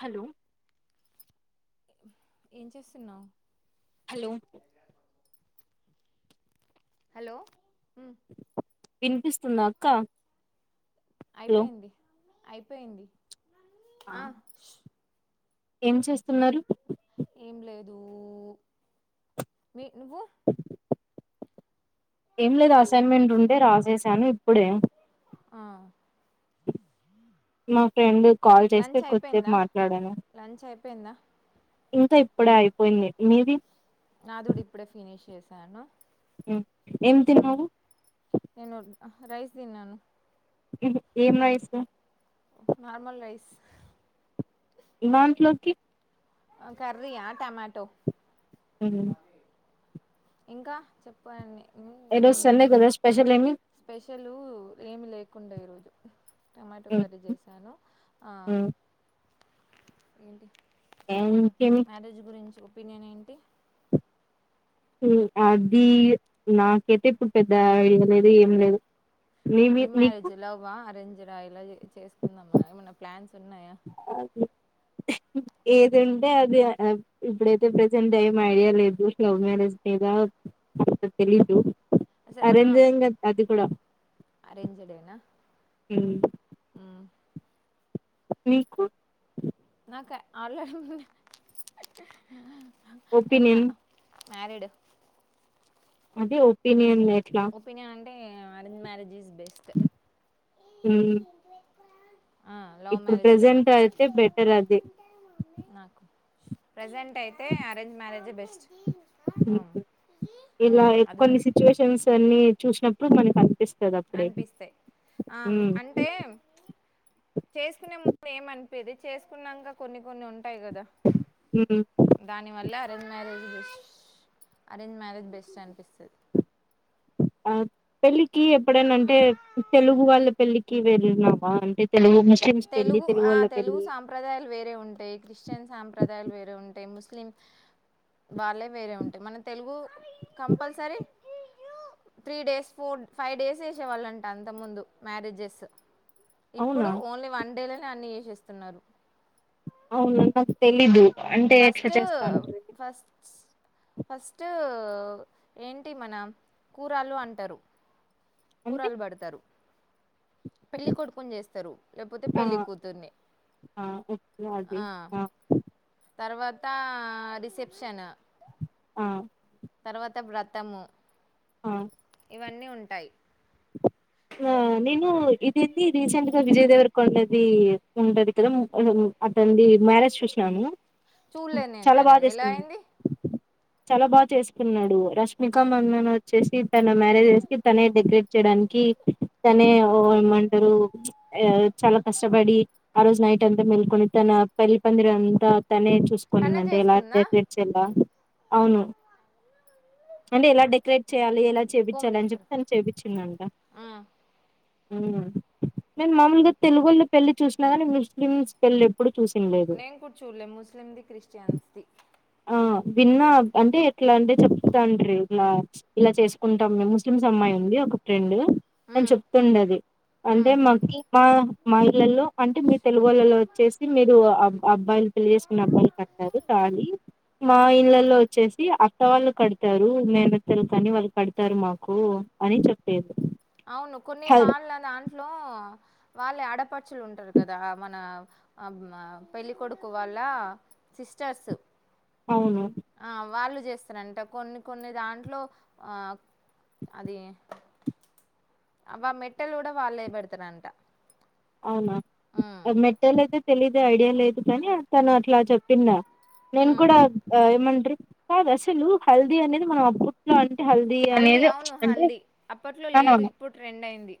Hello ఏం చేస్తున్నావు hello hello ఉమ్ వినిపిస్తుందా అక్క హలో అయిపోయింది అయిపోయింది ఆ ఏం చేస్తున్నారు ఏం లేదూ మి-నువ్వు ఏం లేదు అస్ అసైన్మెంట్ ఉంటే ఫ్రెండ్ రాసేసాను ఇప్ ఇప్పుడే ఆ మా ఫ్రెండ్ కాల్ చేస్తే కొద్దిసేపు మాట్లాడాను పోయిందా ఇంకా ఇప్పుడే అయిపోయింది మీది నాది కూడా ఇప్పుడే ఫినిష్ చేసాను ఉమ్ ఏం తిన్నావు హా రైస్ తిన్నాను ఉంహు ఏం రైసు నార్మల్ రైస్ ఇవాంట్లోకి కర్రియా టమాటో ఇంకా చెప్పండి ఈరోజు ఉమ్ సండే కదా స్పెషల్ ఏమి స్పెషలు ఏమి లేకుండా ఈరోజు టమాటో కర్రీ చేసాను ఆ ఏంటి ఇంకా ఇంకేమి మ్యారేజ్ గురించి ఒపీనియన్ ఏంటి. ఉమ్ అది నాకైతే ఇప్పుడు పెద్ద ఐడియా లేదు ఏం లేదు. నీవి ఏం నీకు మ్యారేజ్ లవ్ వా అరేంజ్డ్ ఎలా చెస్-చేసుకుందాం మన ఏమైన్నా ప్లాన్స్ ఉన్నాయా ఏదీ అంటే అది ఇప్పుడైతే ప్రెజెంట్ ఏం ఐడియా లేదు లవ్ మ్యారేజ్ మీద తెలీదు. అరేంజె ఇంగ అది కూడా అరేంజ్డే నా. హ్మ్. ఉమ్ మీకు. క ఆల్ రెడీ ఉంది ఒపీనియన్. మ్యారీడ్. అదే ఒపీనియన్ లే ఒపీనియన్ అం టే అరేంజ్ మ్యారేజ్ ఇస్ బెస్ట్ హ్మ్. ఆ లవ్ మ్యారేజ్ కన్నా అయితే బెటర్ అది నాకు ప్రెజెంట్ అయితే అరేంజ్ మ్యారేజె బెస్ట్. ఇలా అది కూడా కొన్ని సిచ్యువేషన్స్ అన్ని చూసినప్పుడు మనకి అ అనిపిస్తే ఆ ఉమ్, అంటే చేసుకునే ము దు ఏమనిపిదు చేసుకున్నాక కొన్ని కొన్ని ఉంటాయి కదా ఉమ్, దాని వల్ల arrange marriage arrange marriage best అనిపిస్తది ఆ పెళ్ళికి ఎప్పుడైనా అంటే తెలుగు వాళ్ళ పెళ్ళికి వెళ్ళినవా అంటే తెలుగు ముస్లిమ్స్ పెళ్ళి తెలుగు ఆ వాళ్ళ తెలుగు పెళ్ళి సాంప్రదాయాలు వేరే ఉంటాయి క్రిస్టియన్ సాంప్రదాయాలు వేరే ఉంటాయి ముస్లి ముస్లిం వాళ్ళే వేరే ఉంటాయి మన Telugu compulsory three days four five days చేసేవాళ్ళంటే అంత ముందు మ్యారేజెస్ ఇప్పుడు అవునా ఓన్లీ వన్ డే లోనే అన్ని చేసేస్తున్నారు అవున నాకు తెలీదు. అంటే ఎట్లా ఫస్ట్ చేస్తాంటారు ఫస్ ఫస్ట్ ఏంటి మన కూరలు అంటారు అంటే కూరలు పడతారు పెళ్ళి కొడుకుని చేస్తారు లేకపోతే ఆ పెళ్ళి కూతుర్ని ఆ ఓకే అది ఆ తర్వాతా రిసెప్షను ఆ తర్వాత వ్రతము ఆ ఇవన్నీ ఉంటాయి ఆ కానీ నేను ఇదేంది రీసెంట్ గా విజయ్ దేవర కొండది ఉంటది కదా [unintelligible] మ్యారేజ్ చూసినాను చూడలేదు నేను చాలా బాగా తనది ఎలా చేసుకున్నారు అయింది చాలా బా చేసుకున్నాడు రష్మిక మందాన వచ్చేసి తన మ్యారేజ్స్ కి తనే డెకరేట్ చేయడానికి కి తనే ఓ ఏమంటారు ఆ చాలా కష్టపడి ఆ రోజు నైట్ అంతా మెల్కొని తన పెళ్లి పందిరీ అంతా తనే తనే చూసుకోనిందంటే ఎలా చేసుకుందా డెకరేట్ చేయాలా అవును అంటే ఎలా డెకరేట్ చేయాలి ఎలా కోమ్ చేపించాలి అని తీసుకురా చెప్పి తను చేపించిందంట ఆ, హుమ్ నేను మామూలుగా తెలుగోళ్ల పెళ్లి చూసినా కానీ ముస్లిమ్స్ పెళ్లి ఎప్పు నేను కుడా చూడాలే ముస్లింది క్రిస్టియన్స్ది ఉమ్ ఇట్లా అంటే చెప్తాండీ ఇలా ఇలా చేసుకుంటాం ముస్లిమ్స్ అమ్మాయి ఉంది ఒక ఫ్రెండ్ అని ఉమ్, చెప్తుండది అంటే ఉమ్, మాకి మా మా ఇళ్లలో అంటే మీ తెలుగోల్లలో చేసి మీరు అబ్బాయిలు పెళ్లి చేసుకున్న అబ్బాయి కట్టారు తాళి మా ఉమ్. ఇళ్లలో వచ్చేస్ ది అక్క వాళ్ళు కడుతారు మేనత్తారు కానీ వాళ్ళు కడతారు మాకు అని చెప్పేది అవును కొన్ని హల్ వాళ్ళ దాంట్లో వాళ్ళు ఆడపచులు ఉంటారు కదా మన పెళ్ళికొడుకు వాళ్ళ సిస్టర్స్ అవును ఆ వాళ్ళు చేస్తారంట కొన్ని కొన్ని దాంట్లో ఆ అది అబ్బ మెట్టలు కూడా వల్లే పెడతరంట అవునా అది మెటల్ అయితే తెలిదే ఐడియా లేదు కాని తన అట్లా చెప్పిందా నేన్ ఉమ్. కూడా ఆ ఏమన్ కాదు అసలు హల్దీ అనేది మనం ఆ బూట్లో అ హల్ది అవును హల్ది అప్పట్లో ఆ! లేదు ఇప్పుడు ట్రెండ్ అయింది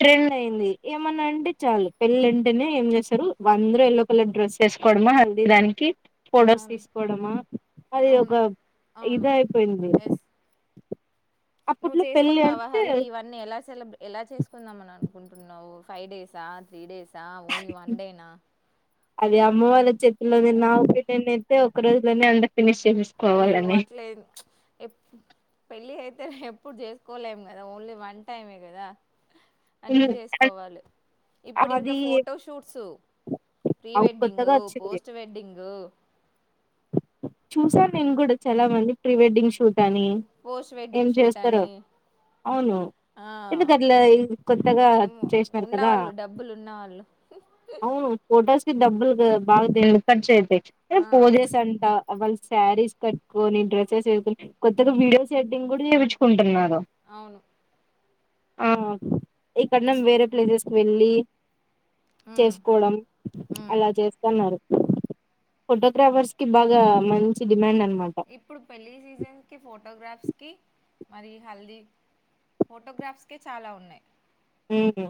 ట్రెండ్ అయింది ఏమన్న అంటే చాలు పెళ్లి అంటేనే ఏం చేస్తరు అందరు ఎల్ల్లో కలర్ డ్రెస్ చేసుకోవడమా హల్దీ దానికి పొడర్స్ అవును తీసుకోవడమా అది ఒక అవును అవును ఇది అయిపోయింది ఎస్ నువ్వు అప్పట్లో పెళ్ళి చేసుకుంటావా అంటే హల్దీ ఇవన్నీ ఎలాసేలబ్ ఎలా చేసుకుందాంమన్నన్ కుంటున్నావు ఫై డేసా త్రీ డేస్ ఆ ఓన్లీ వన్ డే నా ఇంగ నేను నా నేను అయితే ఒక రోజులోనే అండి అయ్యో అట్లే పెళ్ళి ఐతే ఎప్పుడు చేసుకోలేం కదా ఓన్లీ వన్ టైమే కదా అన్ని చేసుకోవాలి ఇప్పుడు ఇంకా అది ఫోటోషూట్స్ ప్రీ అవ్ కొత్తగా వెడ్డింగు వచ్చింది పోస్ట్ వెడ్డింగు చూసాను నేను కూడా చాలా మంది ప్రీ వెడ్డింగ్ షూట్ కానీ పోస్ట్ ఏం వెడ్డింగ్ షూట్ చేస్తారో అని అవును ఆ ఎందుకు అట్లా కొత్తగా ఏమో చేసినారు కదా ఉన్నవాళ్ళు డబ్బులు ఉన్నవాళ్ళు అవును ఫొటోస్ డబ్బులు బాగా దెండిగా ఖర్చయితాయి ఏ ఆ పోజస్ అంట వాళ్ళు శారీస్ కట్టుకుని డ్రస్సెస్ వేసుకొని కొత్తగా వీడియో సెట్టింగ్ కూడా చేపించుకుంటున్నారు అవును ఆహ్ ఇక్కడ వేరే ప్లేసెస్ వెళ్ళి ఉమ్ చేసుకోవడం ఉమ్ అలా చేస్తన్నారు ఫోటోగ్రాఫర్స్ కి బాగా మంచి డిమాండ్ అంన్ ఇప్పుడు పెళ్లి సీజన్ కి ఫోటోగ్రాఫ్స్ కి మరి హల్దీ ఫోటోగ్రాఫ్స్కే చాలా ఉన్నాయి ఉహు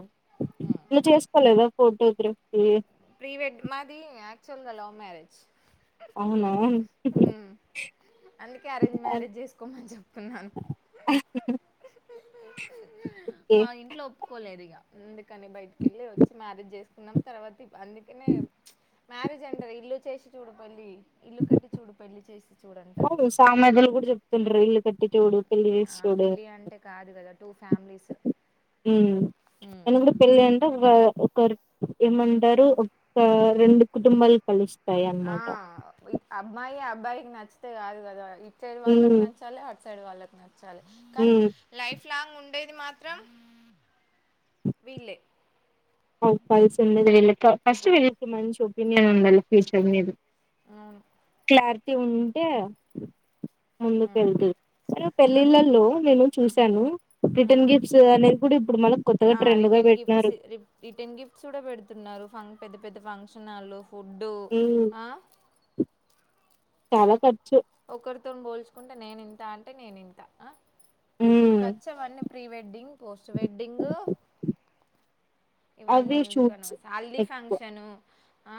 నువ్వు చేసుకోలేదా ఫోటోగ్రాఫ్ ప్రీవెడ్ మాది ఆక్చువల్గా లవ్ మ్యరేజ్ అవునా ఉ అందుకే అరేంజ్ మ్యారేజ్ చేసుకోమని చెప్తున్నాను ఓకే మా ఇంట్లో ఒప్పుకోలేరు ఇగ ఎందుకని బయటికి వెళ్ళి వచ్చి మ్యారేజ్ చేసుకున్నాం తర్వాతీ అందుకనే మ్యారేజ్ అంటారు ఇల్లు చేసి చుడుపల్లి ఇల్లు కట్టి చూడుపల్లి చేస్ సామాధ్యలు కూడా చెప్తుంటండారు ఇల్లు కట్టి చూడు పెళ్లి చేసి ఆ చూడు పెళ్ళి అంటే కాదు కదా టూ ఫ్యామిలీస్ ఉ రెండు పెళ్ళంటా. ఒక ఏమంటారు ఒక రెండు కుటుంబాలు. కలుస్తాయి ఆ అన్నమాట అమ్మాయి ఆ. అబ్బాయికి నచ్చితే కాదు కదా. ఇటు సైడ్ వాళ్ళకి ఉమ్ నచ్చాలి అట్. ఇటు సైడ్ వాళ్ళకి న. చ్చాలి కానీ ఉమ్ లైవ్. ఫలాంగ్ ఉండేది మాత్రం వీళ్ళే. ఔ పల్ సందేలేకి. ఫస్ట్ వీళ్ళకి మంచి ఒపీనియన్ ఉండాలా ఫ్యూచర్ మీద. ఉ పార్టీ ఉంటే. ముందుకు ఉమ్ వెళ్తు అన్ని పెళ్ళిళ్ళలో నేను చూశాను రిటర్న్ ఉమ్ గిఫ్ట్స్ అనేది కూడా ఇప్పుడు మనకు కొత్తగా ట్రెండ్ గా పెట్టినారు. చూడ పెడుతున్నారు ఫం పెద్ద పెద్ద ఫంక్షనల్ల. ఫుడ్డు ఉమ్ ఆ. చాలా ఖర్చు. ఒకరితో పోల్చుకుంటే నేను ఇంత అంటే నేను ఇంత అ హ్మ్. ఖర్చు అవన్నీ ప్రీవెడ్డింగ్ పోస్ట్ వెడ్డింగ్. ఇవన్నీ అవి ఎందుకు షూట్స్ అనవసరం హల్దీ ఎక్కువ. ఫంక్షను అ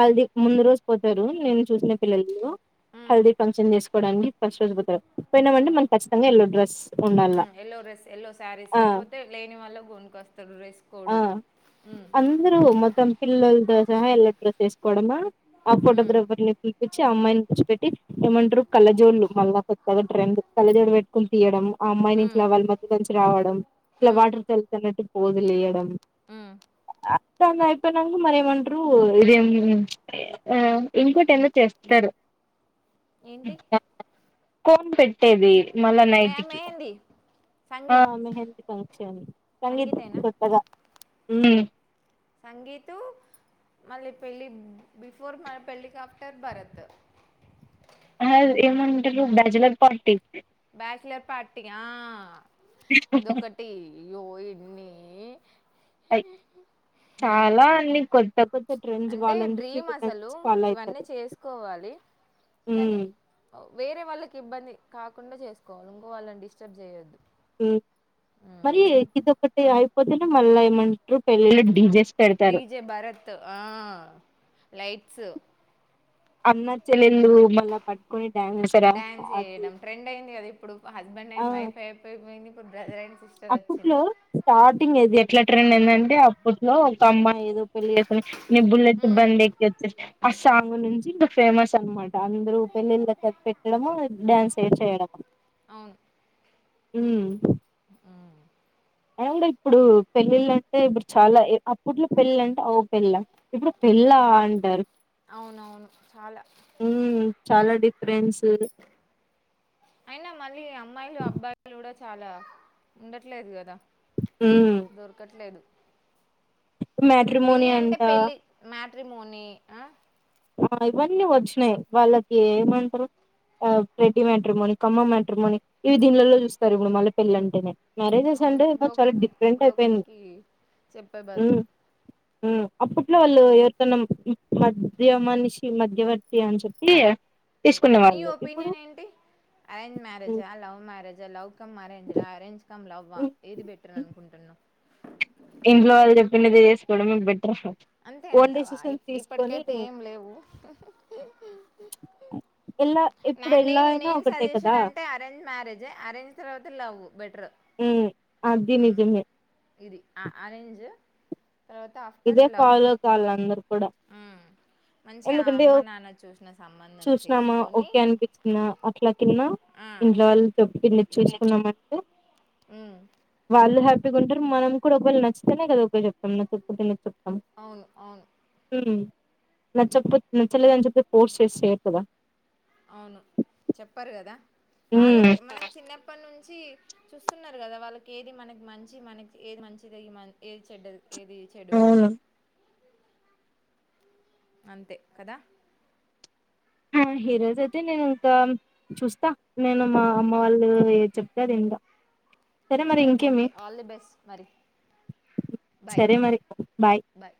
హల్దీ ముందు రోజు పోతారు నేను చూసిన పిల్లలో ఉమ్ హల్ది ఫంక్షన్ జెస్కోడానికి ఫస్ట్ రోజ్ బోతర్ ఉమ్ పోయినామంటే మనం ఖచ్చితంగా ఎల్లో డ్రెస్ ఉండాలా ఎల్లో ఆ కొన్ కస్త్ ఆ అందరూ మొత్తం పిల్లల్ లతో సహ ఎల్లో డ్రెస్ వేసుస్కోడమ్మా ఆ ఉమ్, ఫోటోగ్రఫర్ ని పిలిపించి ఆ అమ్మాయిని కుర్చో బెట్ ఇహ్ ఏమంటరు కళ్ళజోడ్లు మళ్ళా కొత్తగా ట్రెండ్ కళ్ళజోడు వేటుకొని తీయడం. ఆ అమ్మాయిని ఉమ్, ఫ్లవర్ మధ్యలోంచి రావడం ఇట్లా వాటర్ సల్ తనట్టు పోదిలియాక్ డం హ్మ్ ఆ అత్తంద అయిపోయినాక మరేమంటారు ఇదేం ఇంకోటి ఏదో చేస్తాడు. ఏంటి కోన్ పెట్టేది. మళ్ళా మే నైట్కి మెహందీ ఆ సంగీత్ మెహందీ ఫంక్షన్ సంగీతం సంగీతేనా కొత్తగా ఊమ్ సంగీతు మళ్ళీ పెళ్ళి బిఫోర్ మ పెళ్లికాప్టర్ భరత్ అ ఏమంటరు బ్యాజలర్ పార్టీ బచలర్ పార్టీ ఆ అదొకటి యో ఇన్ని అయి చాలా అన్ని కొద్ది తకు అంటే డ్రీమ్ అసలు ఇవన్నీ అవుతారు చేసుకోవాలి కానీ వేరే వాళ్ళకి ఇబ్బంది. కాకుండా చేసుకోవాలి ఇంకో వాళ్ళని డిస్టర్బ్ చేయొద్దు. మ్ ఉమ్. మరి ఇదొక్కటి ఆయి పొద్దున మళ్ళఏమంటారు పెళ్లి డీజెస్ పెడతారు డిజె భరత్ ఆ లైట్ స్ అన్న చెల్లల్ లు మళ్ళా పట్టుకోని డ్యాన్సార డ్యాన్స్ అది వేయడం ట్రెండ్ అయింది కదా ఇప్పుడు హస్బెండ్ అండ్ ఆ వైఫ్ అయిపోయిపోయింది ఇప్పుడు బ్రదర్ అండ్ సిస్టర్ వచ్చింది టింగ్ ఎట్లా ట్రెండ్ ఏందంటే అప్పట్లో ఒక అమ్మాయి ఏదో పెళ్లి చేసు నీ బుల్లెట్ ఉమ్ బండి ఎక్కొచేస్త [unintelligible] సాంగ్ నుంచి ఇంకా ఫేమస్ అనమాట అందరూ పెళ్ళిళ్ళ అది పెట్టడము డ్యాన్స్ ఏవి చేయడం అవును మ్మ్ మ్మ్ అది కూడా ఇప్పుడు పెళ్ళిళ్ళ అంటే ఇప్పుడు చాలా ఈ అప్పట్లో పెళ్ళిళ అంటే ఓ పెళ్ళ ఇప్పుడు పెళ్ళా అప్ అంటారు అవునవును చాలా మ్మ్ చాలా డి ఫ్రెండ్స్ అయినా మళ్ళీ అమ్మ మ్మాయిలు అబ్బాయిలు కూడా చాలా ఉండట్లేదు కదా ఉమ్ దొరకట్లేదు మ్యాట్రిమోని పెళ్ళి అంటే అంట పెళ్ళి మ్యాట్రిమోని ఆ ఆ ఇవన్నీ వచ్చినాయి వాళ్ళకి ఏమంటారు ఆ రెడ్డి మ్యాటర్మోని కమ్మ మ్యాటర్మని ఇవి దీనిలలో చూస్తారు ఇప్పుడు మళ్ళీ పెళ్ళ అంటేనే మ్యారేజెస్ అవును అంటే ఏమో చాలా బ్రోకర్కి డిఫరెంట్ బ్రోకర్ అయిపోయింది కి చెప్పే బదులు మ్మ్ అప్పుట్లో వాళ్ళు ఎవరికన్నా మట్ ధ్య మనిషి మధ్యవర్తి అని చెప్పి తీసుకునే నీ వాళ్ళు ఇప్పుడు ఒపీనియన్ ఏంటి అరేంజ్ మ్యారేజా లవ్ మ్యారేజా లవ్ కమ్ అరేంజ్ డా అరేంజ్ కమ్ లవ్ వా ఏది బెటర్ అనుకుంటున్నావు ఇంట్లో వాళ్ళు చెప్పినది చేసుకోవడం బట్ అంతే అంటావా ఇ ఇప్పటికైతే ఏం లేవు ఎలా ఇప్పుడు నే ఎలా అయినా నేను ఒకటే కదా సజెషన్ అంటే అరేంజ్ మ్యారేజ్ అరేంజ్ తర్వాత లవ్ బెటర్ మ్మ్ అది నిజమే జ్ తర్వాత ఆఫ్టర్ లవ్ వాళ్ళందరు కూడా మంచిగా ఎందుకంటే అమ్మ నాన్న చూసిన సంబంధం చూసినామా చేసుకొని ఓకే అనిపిించందా అట్లా కిన్న ఆ, ఇంట్లో వాళ్ళుప్పు కి చూసుకున్నామ అంటే ఉమ్, వాళ్ళు హ్యాప్ టారు మనం కూడా ఒకవేళ నచ్చితేనే కదా ఒకే చెపుతాం నాచ్ ఒకే లే చెప్ మ్ అవును అవును ఉమ్మ్ నచ్చకపో నా లేదని చెప్పి ఫోర్స్ చేసి చేయరుగాద అవును చెప్పారు కదా హ్మ్. వాళ్ళకి మన చిన్న ఇప్పటి నుంచి చూస్తున్నారు కదా వాళ్ళకి ఏది మనకి మంచి మనకి ఏది మంచిది మ ఏది చెడ్డది ఏది చెడు అని అవును అంతే కదా ఆ హీరోస్ అయితే నేను ఇంకా చూస్తా నేను మా అమ్మ వాళ్ళు చెప్తా దీంలో సరే ఓకే ఆల్ ది బెస్ట్ మరి బయ్ సరే మరి బాయ్